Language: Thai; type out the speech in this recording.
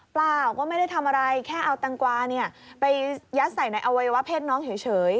เปล่าก็ไม่ได้ทำอะไรแค่เอาตังกวาไปยัดใส่ในอวัยวะเพศน้องเฉย